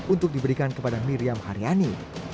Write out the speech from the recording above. untuk diberikan kepada miriam haryani